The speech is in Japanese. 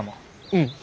うん。